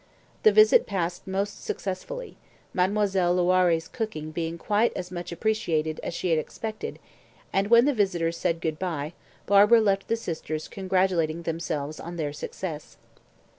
The visit passed most successfully, Mademoiselle Loiré's cooking being quite as much appreciated as she had expected, and when the visitors said good bye, Barbara left the sisters congratulating themselves on their success.